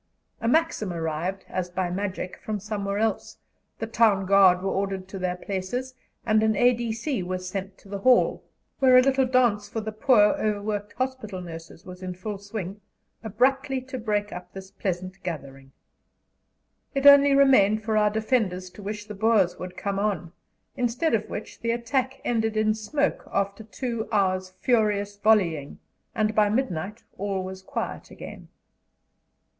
A Maxim arrived, as by magic, from somewhere else, the town guard were ordered to their places, and an A.D.C. was sent to the hall, where a little dance for the poor overworked hospital nurses was in full swing, abruptly to break up this pleasant gathering. It only remained for our defenders to wish the Boers would come on, instead of which the attack ended in smoke, after two hours' furious volleying, and by midnight all was quiet again.